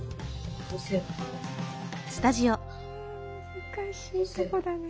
難しいとこだな。